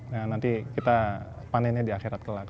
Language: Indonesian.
nanti kita panennya di akhirat telak